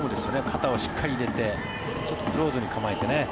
肩をしっかり入れてクローズに構えて。